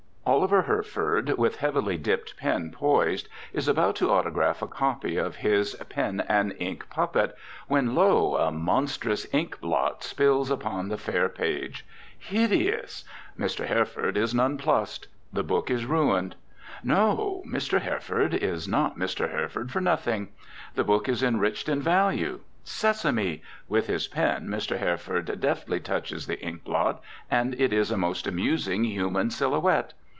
Oliver Herford, with heavily dipped pen poised, is about to autograph a copy of his "Pen and Ink Puppet," when, lo! a monstrous ink blot spills upon the fair page. Hideous! Mr. Herford is nonplused. The book is ruined. No! Mr. Herford is not Mr. Herford for nothing. The book is enriched in value. Sesame! With his pen Mr. Herford deftly touches the ink blot, and it is a most amusing human silhouette.